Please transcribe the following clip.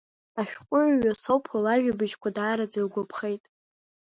Ашәҟәыҩҩы Соԥо лажәабжьқәа даараӡа илгәаԥхеит.